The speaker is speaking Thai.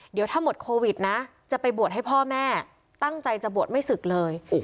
เดี๋ยวถ้าหมดโควิดนะจะไปบวชให้พ่อแม่ตั้งใจจะบวชไม่ศึกเลย